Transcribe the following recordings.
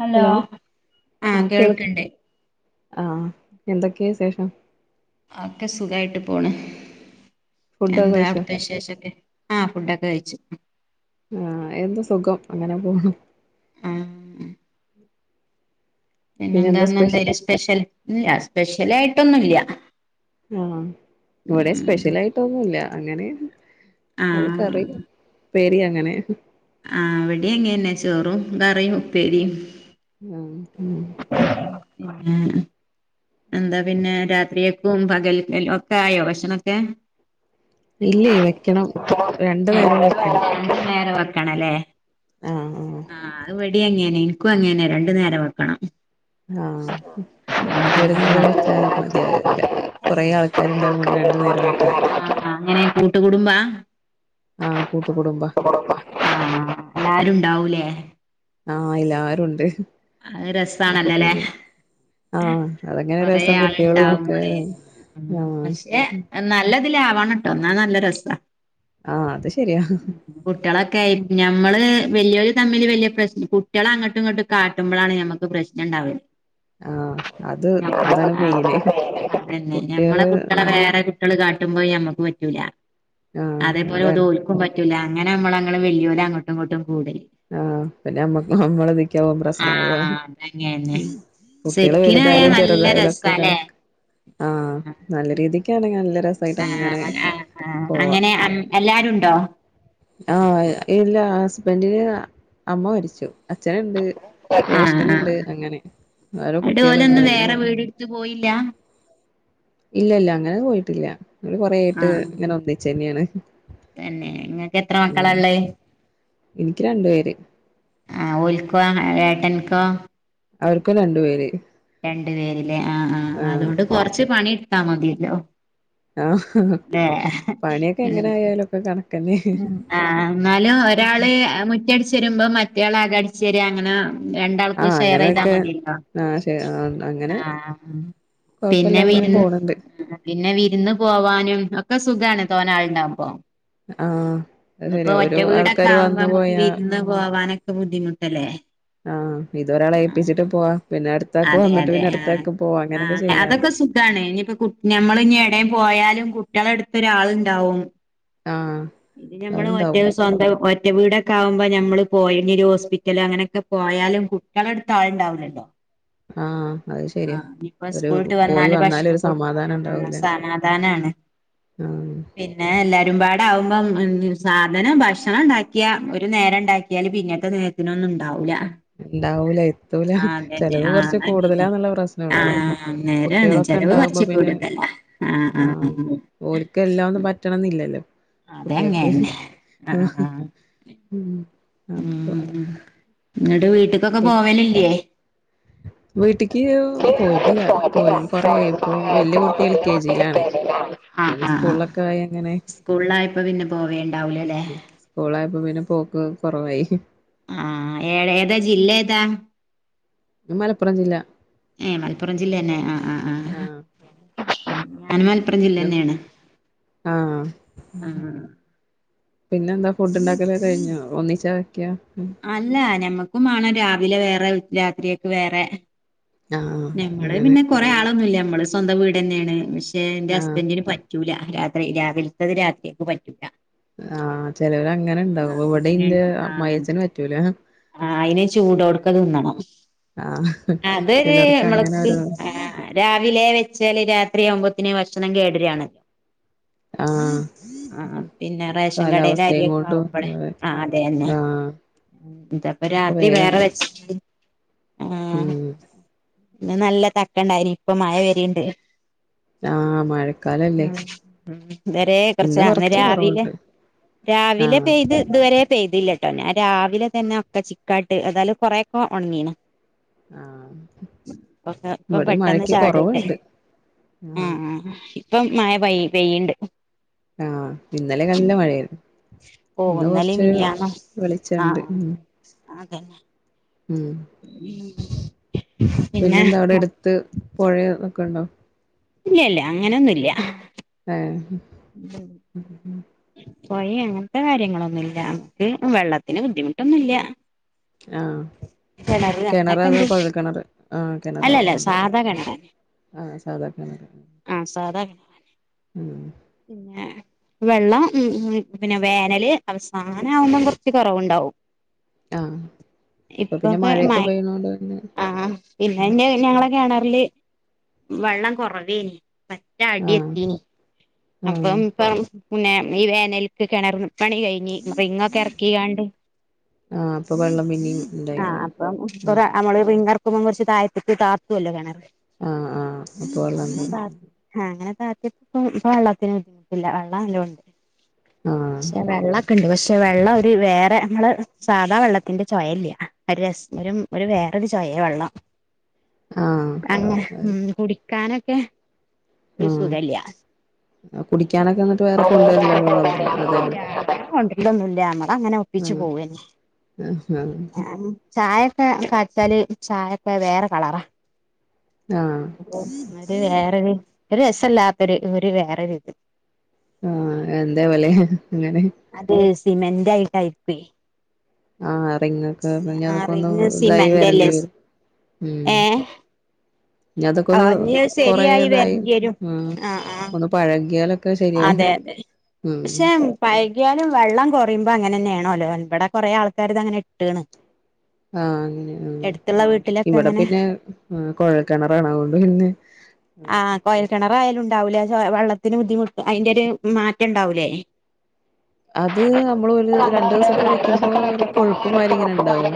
Hello ആ കേൾക്ക്ണ്ട്. ആഹ് എന്തൊക്കെയാ ശേഷം? ആക്കെ സുഖായിട്ട് പോണ്. ഫുഡൊക്കെ എന്താ കഴിച്ചോ അവിടുത്തെ വിശേഷൊക്കെ ആ ഫുഡൊക്കെ കഴിച്ചു. ആ എന്ത് സുഖം അങ്ങനെ പോണ്. ആ പിന്നെ ന്താ ന്നെന്താ ന സ്പെഷ്യൽ? ഇല്ല സ്പെഷ്യൽ ആയിട്ടൊന്നുംല്ല. ആഹ് ഇവിടെ സ്പെഷ്യൽ ആയിട്ടൊന്നുല്ല അങ്ങനെ. അത് ആഹ് കറി പേരി അങ്ങനെ- ആ വിടെ അങ്ങന്നെന്നെ ചോറും കറിം ഉപ്പേരിം. മ് മ്. ഉം ഉം ഉം എന്താ പിന്നെ രാത്രിയക്കും പകൽ ഒക്കെ ആയോ ഭക്ഷണൊക്കെ? ഇല്ലേ വെക്കണം രണ്ടു നേരം വെക്കണം [unintelligible] കണല്ലേ ആ ആ അത് വടി ങ്ങനെ എനിക്കും അങ്ങേനെ രണ്ടു നേരം വെക്കണം. ആഹ് ഒര് നേരം ആഹ് വെച്ചാല് മതിയാവില്ല. കൊറെ ആൾക്കാരുണ്ടാവുംണ്ട് രണ്ടു നേരം വെക്കണം. അങ്ങനെ കൂട്ടുകുടുംബാ ആ കൂട്ടുകുടുംബ [unintelligible] ആ ഏല്ലാരുണ്ടാവൂലേ. ആ ഏല്ലാരും ഉണ്ട്. അര് അപ്പൊ രസാണല്ലല്ലെ. പിന്നെ ആഹ് അതങ്ങനെ കൊറെ രസം കുട്ടികളും ഒക്കെ ആൾണ്ടാവുമ്പോളേ ആഹ് പക്ഷെ നല്ല അതിലാവാണട്ടോ എന്നാ നല്ല രസാ. ആഹ് അത് ശരിയാ കുട്ടികളൊക്കെയി ഞമ്മള് വലിയവര് തമ്മില് വല്യപ്രശ് കുട്ടികള് അങ്ങോട്ടും ഇങ്ങോട്ടും കാട്ടുമ്പോഴാണ് ഞമ്മക്ക് പ്രശ്നണ്ടാവല്. ആ അത് അതാണ് മെയിന്. പിന്നെ ഞമ്മളെ കുട്ടികള് കുട്ടികളെ ആഹ് വേറെ കുട്ടികള് കാട്ടുമ്പോ ഞമ്മക്ക് പറ്റൂല. ആഹ് അതേപോലും അതാണ് അത്ഓല്ക്കും പറ്റൂല്ല. അങ്ങനെ നമ്മള് അങ്ങനെ വലിയോര് അങ്ങോട്ടും ഇങ്ങോട്ടും. കൂടല് ആ പിന്നെമ്മക്ക് നമ്മള് നിക്കമ്പ പ്രശ് ആഹ് അതങ്ങന്നെ [unintelligible] കുട്ടികള് ശരിക്കിനായാ വലുതായാലും നല്ല ചെറുതായാലും ഒക്കെ രസാല്ലേ കണക്ക. ആ നല്ല രീതിക്കാണ്. ആ ആ ആ അങ്ങനെ എല്ലാരുണ്ടോ. ആ ഇല്ല ഹസ്ബൻഡിന് അമ്മ മരിച്ചു. അച്ഛനുണ്ട് ആഹ് ആഹ് ജ്യേഷ്ഠനുണ്ട് അങ്ങനെ. ആ ഓരോ ന്നട്ട് കുട്ടികളുണ്ട് ഓലൊന്നും അങ്ങനെ വേറെ പോ വീടെടുത്ത് പോയില്ല? ഇല്ല ഇല്ല അങ്ങനെ പോയിട്ടില്ല. കൊറെയിട്ട് ആഹ് ഇങ്ങനെ ഒന്നിച്ചന്നെയാണ്. തന്നെ ഇങ്ങക്ക് എത്ര ഉം മക്കളള്ളെ. എനിക്ക് രണ്ടുവെര്. ആ ഓല്ക്കോ ഏട്ടന്ക്കോ. അവർക്കും രണ്ടു പേര്. രണ്ടു പേരിലേ ആ ആ ആഹ് അതുകൊണ്ട് കൊറച്ച് പണി എടുത്താ മതില്ലോ. ആഹ് ഹ് പണിയൊക്കെ എങ്ങനെ ആയാലുക്കെ കണക്കാ ഉ ആ എന്നാലും ഒരാള് മുറ്റടിച്ച് വരുമ്പോ മറ്റയാൾ അകടിച്ചര്യ അങ്ങന രണ്ടാൾക്കും ആഹ് ഷെയർ ചെയ്താ അങ്ങനെയൊക്കെ മതിയല്ലോ ആഹ് ശരി ആഹ് അങ്ങനെ ആ പിന്നെ കൊഴപ്പല്ലാതെ അങ്ങനെ വിരു പോണണ്ട് പിന്നെ വിരുന്ന് പോവാനും ഒക്കെ. സുഖാണ് തോന്നെ ആളുണ്ടാകുമ്പ. ആഹ് അത് ഇതിപ്പോ ശരിയാ ഒറ്റ ഒരു വീടൊക്കെ ആൾക്കാര് ആകുമ്പോ വന്നു നമക്ക് പോയാ വിരുന്ന് പോവാനൊക്കെ ബുദ്ധിമുട്ടല്ലേ. ആ ഇത് ഒരാളഏൽപ്പിച്ചിട്ട് പോവാ പിന്നെ അടുത്താക്ക് അതെ വന്നിട്ട് പിന്നെ അടുത്താക്ക് പോവാ. അങ്ങനെക്കെ ചെയ്യാ. ഇതാണ് ഇനിയിപ്പ നമ്മള് ഇനി എടയും പോയാലും കുട്ടികളുടെ അടുത്ത് ഒരാളുണ്ടാവും. ആഹ് ഇത് ഞമ്മള് ഒറ്റ അത്ണ്ടാവും സ്വന്തം ഒ ഒറ്റ വീടൊക്കെ ആകുമ്പോ ഞമ്മള് [unintelligible] ഒരു ഹോസ്പിറ്റല് അങ്ങനെയൊക്കെ പോയാലും കുട്ടികളെടുത്ത് ആളുണ്ടാവുല്ലല്ലോ. ആഹ് അത് ആ ശരിയാ ഇപ്പ ഒരു സ്കൂള് വിട്ട് പോയി വന്നാല് ഭക്ഷണം ഒരു സമാധാനം കൊടുക്കാനും ഉണ്ടാവൂല സമാധാനം [unintelligible] ആഹ് പിന്നെ എല്ലാരും. [unintelligible] സാധനം ഭക്ഷണം ഉണ്ടാക്കിയാ ഒരു നേരം ഉണ്ടാക്കിയാല് പിന്നത്തെ നേരത്തിനൊന്നും ഉണ്ടാവൂല്ല. ഇണ്ടാവൂല എത്തൂല ആ അതന്നെ ചെലവ് ആ കൊറച്ച് അതന്നന്നെ കൂടുതലാന്നുള്ള പ്രശ്നൊള്ളു ആ നേരാണ്. കുട്ടികളൊക്കെ ചെലവ് ഇണ്ടാവുമ്പോ കൊറച്ച് പിന്നെ കൂടുതലാ ആഹ് ആഹ് ഓൽക്ക് എല്ലാം ഒന്നും പറ്റണംന്നില്ലല്ലോ ആ അതെ കുട്ടിയക്ക് അങ്ങനെ ആ ആ ആഹ് ഉം അപ്പൊ ഉം എന്നിട്ട് വീട്ടിക്കൊക്കെ പി പോവലില്ലേ. വീട്ടിക്ക് പോയിട്ടില്ല പോയപ്പ കൊറെയായി ഇപ്പൊ വല്യ കുട്ടി എൽ കെ ജിലാണ്. ആ ആ ആ സ്കൂളിലായപ്പോ പിന്നെ പോവേ സ്കൂളായപ്പോ പിന്നെ പോക്ക് കൊറവായി. ആ ഏ ഏതാ ജില്ല ഏതാ? ഇത് മലപ്പുറം ജില്ല. ഏ മലപ്പുറം ജില്ല ന്നെ ആ ആ ആ ഞാൻ മലപ്പുറം ജില്ല [unintelligible] തന്നെയാണ് ആ ആ പിന്നെന്താ ഫുഡ്ണ്ടാക്കലൊക്കെ കഴിഞ്ഞോ? ഒന്നിച്ചാ വയ്ക്ക? അല്ല ഞമ്മക്കും വാണം രാവിലെ വേറെ രാത്രികക്ക്‌ വേറെ ആഹ് ഞമ്മള് അങ്ങനെ പിന്നെ കൊറെ ആളൊന്നുവില്ല ഞമ്മള് സ്വന്തം വീടെന്നേണ് പക്ഷെ എന്റെ ആഹ് ഹസ്ബന്റിന് പറ്റൂല രാത്രി രാവിൽത്തത് രാത്രിക്ക്‌ പറ്റൂല ആഹ് ചെലവര് അങ്ങനെ ആഹ് ണ്ടാവും ഇവിടെ ന്റെ അമ്മായച്ഛന് പറ്റൂല ആ അയിന് ചൂടോട്ക്കെ തിന്നണം ആഹ് [unintelligible] ചിലർക്ക് അങ്ങനെ നമ്മള്ക്ക്‌ ഓരോ രാവിലെ വെച്ചാല് രാ ത്രിയാവുമ്പോത്തിന് ഭക്ഷണം കേടരാണ്ലോ ആഹ് ആഹ് പിന്നെ റേഷൻ കടേലെ കാലാവസ്ഥയും കൊണ്ടും അരിയൊക്കാവുമ്പളെ ആ അതെ ന്നെ ആഹ് ഇതപ്പ ഇപ്പ രാത്രി വേഗം വേറെ വെച്ച് ആഹ് ഉം ഇന്ന് നല്ല തക്കണ്ടായിനി ഇപ്പൊ മഴ വരിണ്ട് ആഹ് മഴക്കാലല്ലേ [unintelligible] കൊറച്ച് ഇന്ന് ന്ന് രാവിലെ കൊറവുണ്ട് രാവിലെ ആഹ് പെയ്ത് ഇതുവരെ പെയ്തില്ലട്ടോ ഞാൻ രാവിലെ തന്നെ ഒക്കെ ചിക്കാട്ട് ഏതാലും കൊറേക്കെ ഉണങ്ങീണ് ആഹ് ഒക്കെ ഇപ്പ ഇവിടെയും പെട്ടെന്ന് മഴക്ക് ചാട്ണ്ട് കൊറവുണ്ട് ആഹ് ഇപ്പം മഴ പൈ പെയ്യ്ണ്ട് ആഹ് ഇന്നലെ നല്ല മഴയേരുന്നു ഓ ന്നലിം മിനിഞ്ഞാന്നും വെളിച്ചണ്ട് ആഹ് ഉം അതെ ഉം ഉം പിന്നെന്താ അവിടെ എടുത്ത് പുഴയൊ ഒക്കണ്ടോ ഇല്ലല്ല അങ്ങനൊന്നുല്ല ആഹ് ഉം പൊഴ അങ്ങൻത്തെ കാര്യങ്ങളൊന്നുംല്ല നമുക്ക് വെള്ളത്തിന് ബുദ്ധിമുട്ടൊന്നുവില്ല ആഹ് കേണറാ അതോ അങ്ങനെയൊക്കെണ്ട് കൊഴൽ കേണറ് ആഹ് കേണറാണ് അല്ലല്ല മ്മ് സാധാ കിണറന്നെ ആഹ് സാധാ കേണറ് ആഹ് സാധാ കിണ പിന്നെ വെള്ളം ഉം പിന്നെ വേനല് അവസാനം ആവുമ്പം കൊറച്ച് കൊറവുണ്ടാവും ആഹ് ഇപ്പൊ പിന്നെ ഇപ്പൊക്കെ മഴയൊക്കെ മഴ പെയ്യുന്നോണ്ട് പിന്നെ ആഹ് പിന്നെ ന്റെ ഞങ്ങള കേണറില് വെള്ളം കൊറവേനി പറ്റെ അടി ആഹ് എത്തീനി ആഹ് അപ്പം പ്പം പിന്നെ ഈ വേനൽക്ക് കെണറ് പണി കഴിഞ്ഞ് റിങ്ങൊക്കെർക്കികാണ്ട് ആഹ് അപ്പൊ വെള്ളം പിന്നേം ആ ഇണ്ടായിണ്ട് അപ്പം കൊറേ ഉം അമ്മള് റിങ്ങർ ക്കുമ്പൊ കൊറച്ച് താഴത്തിക്ക്‌ താത്തുല്ലോ കേണറ് ആഹ് ആഹ് അപ്പൊ അങ്ങനെ വെള്ളണ്ട് താത്തി അങ്ങന താത്തിപ്പൊ ഇപ്പ വെള്ളത്തിന് ബുദ്ധിമുട്ടില്ല വെള്ളം നല്ലോണ്ട് ആഹ് ശേ വെള്ളൊക്കണ്ട് പക്ഷെ പക്ഷെ വെള്ളം ഒരു വേറെ നമ്മള് സാധാ വെള്ളത്തിന്റെ ചോവായില്ല ഒര് രസ ഒരു വേറൊരു ചോവായ ഏ വെള്ളം ആഹ് അങ്ങനെ അത് കുടിക്കാനൊക്കെ ഒരു സുഖല്യ. കുടിക്ക്യാനൊക്കെ ന്നട്ട് വേറെ കൊണ്ടെര് ലതോ അവടുന്ന് അതെന്നെ? തൊന്നുല്ല അമ്മളങ്ങനെ ഒപ്പിച്ച് പോവന്നെ ഞാ ചായ ക്കെ കാച്ചില് ചായക്കെ വേറെ കളറാ ആഹ് ഒര് വേറൊര് ഒരു രസല്ലാത്തൊര് ഒര് വേറൊര്ത് ആഹ് എന്താവലേ അങ്ങനെ സിമെൻ്റാ ഈ കയ്പേയ് ആഹ് റിങ്ങൊക്കെ ഇഞ്ഞതൊക്കെന്ന് റിങ് ഇതായി വരേണ്ടി സിമെന്റല്ലേ വരും ഉം ഏ ആ ഇഞ്ഞതൊക്കൊന്ന് ഇഞ്ഞ് ശരിയായി കൊറേതായി വരണ്ടിയരും ആ ആഹ് ആഹ് ഒന്ന് പഴകിയാലൊക്കെ ശരിയാവും. അതെ അതെ ഉം പക്ഷേ പ യക്യാലും വെള്ളം കൊറിമ്പൊ അങ്ങനെന്നേ ണെലൊ ഇബടെ കൊറേ ആൾക്കാര്തങ്ങനെ ഇട്ട്ണ്. [inaudible] ആ അങ്ങനെ ഉം എടുത്തുള്ള വീട്ടിലൊക്കെ ഇവടെ അങ്ങനെ പിന്നെ അ് കോഴൽക്കെണറാണ് അതോണ്ട് പിന്നെ. ആഹ് കൊയൽ കെണറായാലുണ്ടാവൂലേ ആ ചൊ വെള്ളത്തിന് ബുദ്ധിമുട്ട് അയിന്റൊരു മാറ്റണ്ടാവൂലേ? അത് അമ്മൾ ഒര് രണ്ടുസൊക്കെ വെക്കുമ്പോ ഒരു കൊഴുപ്പ് മാരി ങ്ങനെ ണ്ടാവും.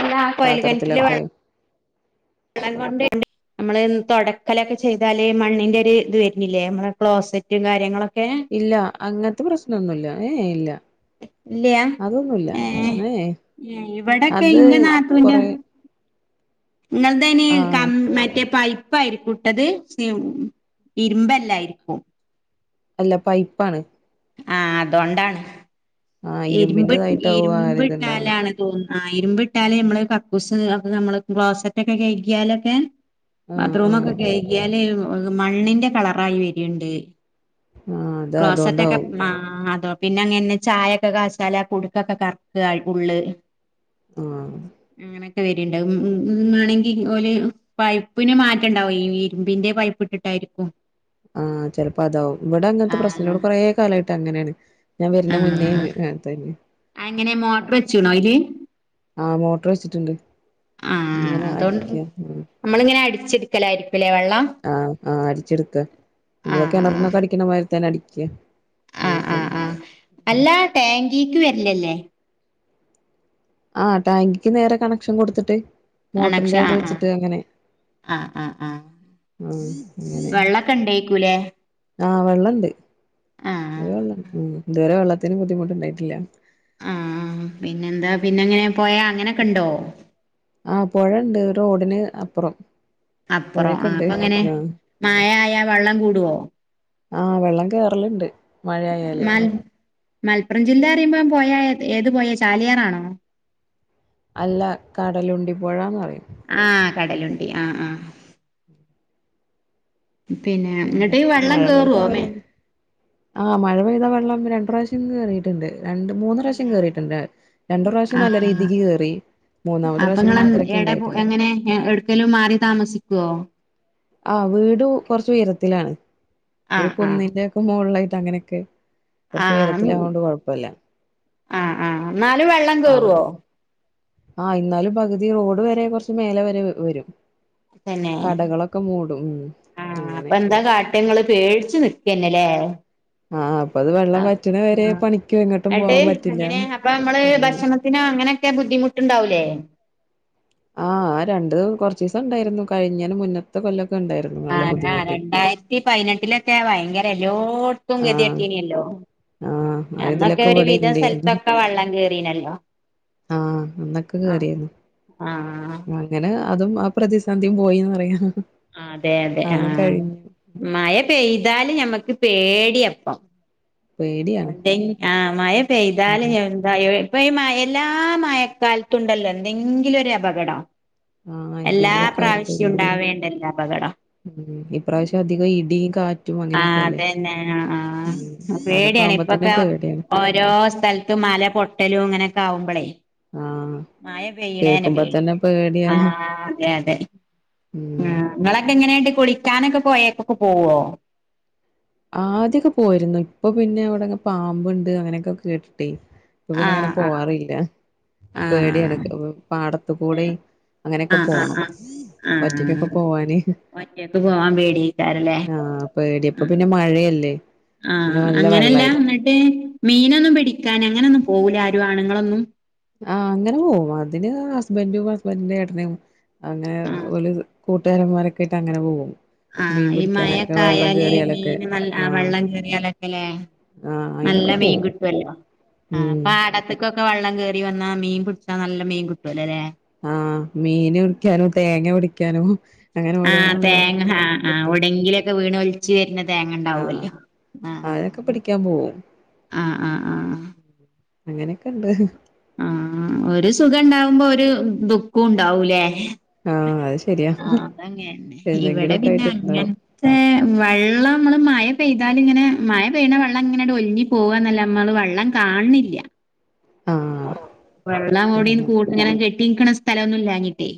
അല്ല പാത്രത്തിലൊക്കെ [unintelligible] അമ്മള് ൻ തൊടക്കലൊക്കെ ചെയ്താല് മണ്ണിൻ്റൊര് ഇത് വെര്നില്ലേ നമ്മളെ ക്ലോസറ്റും കാര്യങ്ങളൊ ഇല്ല അങ്ങൻത്തെ പ്രശ്നൊന്നുല്ല എ ഏഹ് ഇല്ല. ഇല്ല്യ അതൊന്നുല്ല എ ഏ. ഏ ഇവടൊക്കെ ഇന്റെ നാത്തൂന്റെ. ഇങ്ങൾതയ്ന് ആഹ് കം മറ്റേ പൈ പ്പായിരിക്കുട്ടത് ഷിം ഇരുമ്പല്ലായിരിക്കും. അല്ല പൈപ്പാണ്. ആഹ് അതൊണ്ടാണ് ആഹ് ഇര്മ്പ് ഇരുമ്പിന്റെതായിട്ടാവും ആ ഇര്മ്പ് ഒരിതുണ്ടാവണേ ട്ടാലാണ് തോന്ന് ആ ഇരുമ്പ് ട്ടാല് മ്മള് കക്കൂസ് അഒക്കെ അമ്മള് ക്ലോസറ്റൊക്കെ കെയ്കിയാലൊക്കെ. ആഹ് ആഹ് ബാത്ത്റൂമൊക്കെ കെയ്ക്യാല് മണ്ണിന്റെ കളറായി വെരിണ്ട്. ആഹ് അത് ക്ലോസറ്റൊക്കെ അതോണ്ടാവും മാ തോ. പിന്നെ അങ്ങൻന്നെ ചായൊക്കെ കാച്യാല് കുടുക്കൊക്കെ കർക്കാ ഉള്ള്. ആഹ്. ക്കെ വര്ണ്ട് ഉം ഉം ഉം മാണെങ്കി ഓല് പൈപ്പിന് മാറ്റണ്ടാവും ഈ ഇരുമ്പിന്റെ പൈപ്പ് ഇട്ടിട്ട രിക്കും. ആഹ് ചെലപ്പോ അതാവും ഇവടെ അങ്ങൻത്തെ പ്രശ്നല്ല ആഹ് വ്ടെ കൊറേ കാലായിട്ട് അങ്ങനേണ്. ഞാൻ വര്നെ മുന്നേ ഹ് അതെന്നെ. അഎങ്ങനെ മോട്ട്ർ വച്ചൂണോ അയില്. ആഹ് മോട്ട്ർ വെച്ച്ട്ട്ണ്ട്. ആഹ് അതോണ്ട് നമ്മളിങ്ങനെ അടിച്ച്ട്ക്കലായിരി ആഹ് ആഹ് അടിച്ച്ട്ക്ക മ്മള് കെണറിന്നൊക്കെ അടിക്ക്ണമാര്ത്തന്നെ അടിക്ക. ആ അങ്ങനെ ആ തന്നെ ആ അല്ല ടാങ്കിക്ക് വര്ലല്ലെ? ആഹ് ടാങ്കിക്ക് നേരെ കണക്ഷൻ കൊട്ത്തിട്ട് മോട്ടറിന്റെത് വെച്ചിട്ട് അങ്ങനെ. ആ ആ ആ ആഹ് അങ്ങനെ വെള്ളൊക്കെ ണ്ടെക്കുലെ? ആഹ് വെള്ളംണ്ട്. [unintelligible] ഉം ഇത് വരെ വെള്ളത്തിന് ബുദ്ധിമുട്ട്ണ്ടായിട്ടില്ല. ആഹ് പിന്നെന്താ പിന്നെങ്ങനെ പൊയ അങ്ങനൊക്കെ ണ്ടോ? ആഹ് പൊഴണ്ട് റോഡിന് അപ്പുറം. അപ്പുറം പൊഴയൊക്കെ ആ ഉണ്ട് അപ്പൊങ്ങനെ ആഹ് മയായ വള്ളം കൂടോ? ആഹ് വെള്ളം കേറല്ണ്ട് മഴായാല്. മൽ മലപ്പുറം ജില്ല റിമ്പം പൊയ അ ഏത് പൊയേ ചാലിയാറാണോ? അല്ല കടലുണ്ടി പൊഴന്ന റിം. ആഹ് കടലുണ്ടി ആ ആ. ഇങ്ങട്ട് [unintelligible] വെള്ളം മഴ പെയ്ത കേറുവോ മേ വെള്ളം ആഹ് മഴ പെയ്താ വെള്ളാമ്പൊ രണ്ട് റാശ്യം കേറീട്ട്ണ്ട്. രണ്ട് മൂന്ന് റാവ്ശ്യം കേറിട്ട്ണ്ട്. രണ്ട് പ്രാവശ്യം നല്ല രീതിക്ക് കേറി. മൂന്നാമത്തെ പ്രാവശ്യം അപ്പൊങ്ങള് പിന്നെ അത്രക്ക് എടെ പൊ ഇണ്ടായിട്ടില്ല എങ്ങനെ എ എട്ക്കേലും മാറി താമസിക്കോ? ആഹ് വീട് കൊർച്ച് ഉയരത്തിലാണ്. ഒരു ആഹ് ആഹ് കുന്നിന്റെ ഒക്കെ മോൾലായി അങ്ങനെക്കേ കൊർച്ച് ആഹ് ഉയരത്തിലാവോണ്ട് കൊയ്പ്പല്ല ആഹ് ആഹ് എന്നാലും വെള്ളം കേറുവോ അവ്ടെ ആഹ് ഇന്നാലും പകുതി റോഡ് വരെ കൊർച്ച് മേലെ വരെ വരും. തന്നെ കടകളൊക്കെ മൂടും ഉം ആ അങ്ങനെ അപ്പൊ എന്താ കാട്ടങ്ങള് പേട്ച്ച് നി ക്കന്നല്ലേ ആ അപ്പൊ അത് വെള്ളം ആഹ് വറ്റണ വരെ പണിക്കോ എങ്ങോട്ടും ആട്ട് പോവാൻ പറ്റില്ല അങ്ങനെ അപ്പൊ നമ്മള് അങ്ങനെ ഭക്ഷണത്തിന് അങ്ങനെക്കെ ബുദ്ധിമുട്ട്ണ്ടാവ് ലേ ആഹ് ആ രണ്ട് കൊർച്ചീസം ഇണ്ടായ്ര് ന്നു കഴിഞ്ഞേന് മുന്നത്തെ കൊല്ലം അതെന്നെ രണ്ടായിരത്തി പയ്നെട്ടിലെറ്റെ ഭയങ്കര എല്ലോട്ത്തും ആഹ് കെതിയട്ടീനല്ലോ ആഹ് ആ അന്നൊക്കെ ഇതിലൊക്കെ ഒരു ഇവിടെ വിധം ഇണ്ടേരുന്നു. സ്ഥൽത്തൊക്കെ വള്ളം കേറീണല്ലോ ആഹ് അന്നൊക്കെ കേറിന്നു. ആഹ് അങ്ങനെ അതും ആ പ്രതിസന്ധിയും പോയിന്ന് പറിയാ ആഹ് അതെ അതെ ആഹ് മഴ പെയ്താൽ [unintelligible] ഞമ്മക്ക് പേടിയാപ്പം പേടിയാണ് ആഹ് മഴ ഉം പെയ്താലും ഞന്തായെ ഇപ്പ ഈ മഴെ എല്ലാ മഴക്കാലത്തുണ്ടല്ലോ എന്തെങ്കിലൊര് അപകടം ആഹ് എല്ലാ എന്തെങ്കിലൊക്കെ ആയിട്ട് പ്രാവശ്യവും ഇടി ഉണ്ടാവേണ്ടല്ലൊ അപകടം ഉം ഇപ്രാവശ്യം അധികം ഇടി കാ ആഹ് അതന്നെ ആഹ് ആഹ് [unintelligible] അതൊക്കെ പേടിയാണ് ആവുമ്പോ തന്നെ ഇപ്പൊക്കെ പേടിയാണ്. ഓരോ സ്ഥലത്തും മല പൊട്ടലും ഇങ്ങനെക്കാവുമ്പളേ ആഹ് മഴ പെയ്യ്ണേന്നെ കേൾക്കുമ്പോ പേടിയാ തന്നെ പേടിയാണ്. ആഹ് അതെ അതെ ഉം ഇങ്ങളൊക്കെങ്ങെനേട്ട് കുളിക്ക്യാനൊക്കെ പോഴെക്കൊക്ക പോവോ ആദ്യൊക്കെ പോയിരുന്നു ഇപ്പൊ പിന്നെ അവടെങ്ങ് പാമ്പ്ണ്ട് അങ്ങനെയൊക്കെ കേട്ട്ട്ടേ അപ്പോ ആ പിന്നെ അങ്ങനെ ആ പോവാറില്ല ആ പേടിയാണ് ക് വു പാടത്ത് കൂടിം ആഹ് ആഹ് ആഹ് ആഹ് പോവാന് ഒറ്റക്ക് പോവാൻ പേടിയായിട്ടാ ആഹ് പേടിയാ ഇപ്പൊ പിന്നെ [unintelligible] ആഹ് മഴയല്ലേ പിന്നെ ആഹ് നല്ല അങ്ങനെല്ലാ വെള്ളായിരിക്കും. ഇന്ന്ട്ട് മീനൊന്നും പിടിക്കാൻ അങ്ങനൊന്നും പോവൂല്ല ആരും ആണ്ങ്ങളൊന്നും ആഹ് അങ്ങനെ പോവും അതിന് ഹസ്ബൻഡും ഹസ്ബൻഡിന്റെ എട്ടനും അങ്ങനെ ആഹ് ഓല് കൂട്ടാരന്മാരൊക്കായിട്ട് അങ്ങനെ പോവും ആഹ് മീൻ ഈ പിടിക്കാനൊക്കെ വെള്ളം മഴെക്കായാല് കേറിയാലൊക്കെ മീൻ ന ആഹ് വെള്ളം കേറിയാലൊക്കെല്ലേ ആഹ് നല്ല അയിനൊക്കെ പോവും മീൻകിട്ടൊല്ലോ ആഹ് ഉം പാടത്ത്ക്കൊ ക്കെ വള്ളം കേറി വന്നാ മീൻ പിടിച്ചാ നല്ല മീൻ കിട്ടൊല്ലൊല്ലെ ആഹ് മീൻ പിടിക്ക്യാനും തേങ്ങ പിടിക്ക്യാനും ആഹ് തേങ്ങ ആഹ് ആഹ് എവിടെങ്കിലൊക്കെ വീണ് ഒലിച്ച് വെര്ണ ആഹ് തേങ്ങണ്ടാവൊല്ലോ ആഹ് ആഹ് അതൊക്കെ പിടിക്കാൻ പോവും ആഹ് ആഹ് ആഹ് അങ്ങനെക്കെണ്ട് ആ ഒരു സുഖ ഇണ്ടാവുമ്പോ ഒരു ദുഃഖം ഉണ്ടാവൂലേ ആഹ അത് ശരിയാ തങ്ങനെ ഇവിടെ എന്തെങ്കിലൊക്കെ പിന്നെ ആയിട്ടുണ്ടാവും അങ്ങനത്തെ വെള്ളം നമ്മള് മഴ പെയ്താൽ ഇങ്ങനെ മഴ പെയന്ന വെള്ളം ഇങ്ങനെ ടൊ ഒഴുങ്ങി പോകന്നല്ലാ അമ്മള് വെള്ളം കാണണില്ല ആഹ് വെള്ളം ഇവിടിം അങ്ങനെ കൂടെ ഇങ്ങനെ കെട്ടിനിക്കണ സ്ഥലം ഒന്നുംല്ലാഞ്ഞിട്ടേ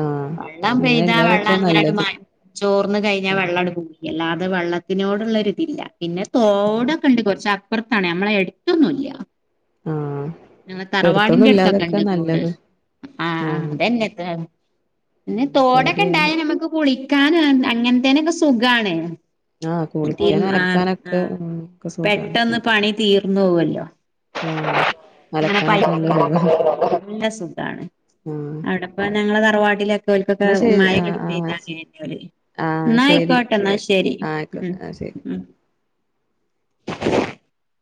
ആഹ് വെള്ളം അങ്ങനെ പെയ്താ വെള്ളം ഇല്ലാതൊക്കെ അങ്ങനെ നല്ലത് ചോർന്ന് കഴിഞ്ഞാൽ വെള്ളം പോയില്ലേ എല്ലാ അത് വെള്ളത്തിനോടുള്ളരിതില്ല പിന്നെ തോടൊക്കെണ്ട് കുറച്ച് അപ്പുറത്താണ് നമ്മളെ എടുത്തൊന്നുംല്ല ആഹ് ഞങ്ങള് എടുത്തൊന്നും തറവാടിന്റെ അടുത്തൊക്കെ ഇല്ലാതൊക്കെ ഇണ്ട് തോട് നല്ലത് ആഹാ ആഹ് അതെന്നെത്ത് പിന്നെ തോടെക്കെ പേടിയാണ് ഇണ്ടായന് അമക്ക് കുളിക്കാന അങ്ങനത്തേനൊക്കെ സുഖാണ് ആഹ് കുളിക്കാൻ തിരുമ്പാ ആ ആ അലക്കാനൊക്കെ ഉം ഒക്കെ പെട്ടന്ന് പണി തീർന്നു പോവല്ലോ ആഹ പയ് [unintelligible] നല്ല സുഖാണ് ആഹ് അവിടെപ്പ ഞങ്ങള് തറവാട്ടില് ലേക്ക് വൈട്ടൊക്കെ എന്നാ ശരി മയ ആഹ് ഇങ്ങോട്ട് ആഹ് ശ പെയ്താല് ആഹ് ശരി എന്നായിക്കോട്ട എന്നാ തെ- ശരി ഉം ആയിക്കോട്ടെ ആഹ് ശരി ഉ [inaudible]